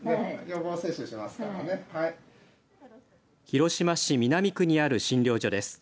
広島市南区にある診療所です。